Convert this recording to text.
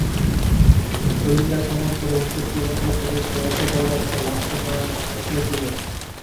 ললিতার সমস্ত ভবিষ্যৎ জীবনের উপরে সে এত বড়ো একটা লাঞ্ছনা আঁকিয়া দিল!